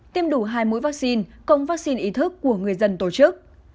tiêm đủ hai mũi vaccine công vaccine ý thức của người dân tổ chức